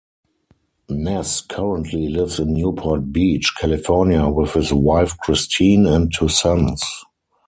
Ness currently lives in Newport Beach, California with his wife Christine and two sons.